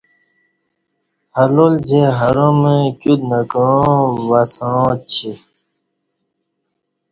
حلال جے حرام کیوت نہ کعاں وَسݣعانجی